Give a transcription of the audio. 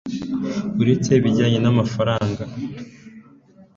uretse ibijyanye n'amafaranga